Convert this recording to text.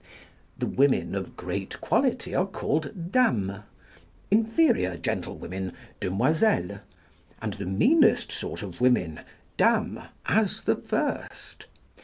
The women of great quality are called Dames, inferior gentlewomen, Demoiselles, and the meanest sort of women, Dames, as the first.